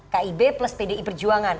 kib plus pdi perjuangan